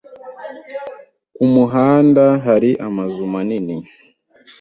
Ku muhanda hari amazu manini